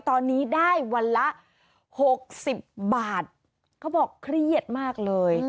ตอนนี้ได้วันละ๖๐บาทเขาบอกเครียดมากเลย